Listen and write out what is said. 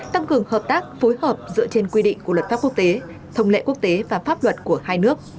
tăng cường hợp tác phối hợp dựa trên quy định của luật pháp quốc tế thông lệ quốc tế và pháp luật của hai nước